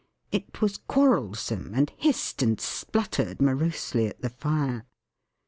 It was quarrelsome; and hissed and spluttered morosely at the fire.